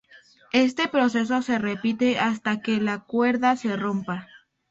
Este proceso se repite hasta que la cuerda se rompa.